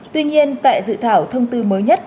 tuy nhiên tại dự thảo thông tư mới nhất